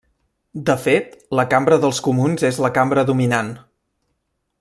De fet, la Cambra dels Comuns és la cambra dominant.